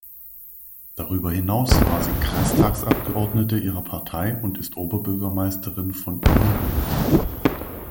Darüber hinaus war sie Kreistagsabgeordnete ihrer Partei und ist Ortsbürgermeisterin von Ihrhove.